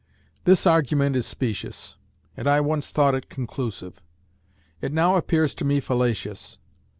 "This argument is specious, and I once thought it conclusive. It now appears to me fallacious.